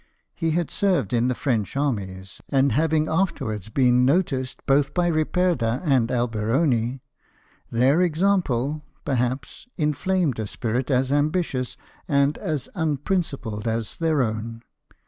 He had served in the French armies ; and having afterwards been noticed both by Ripperda and Alberoni, their example, perhaps, inflamed a spirit as ambitious and as unprincipled as their own.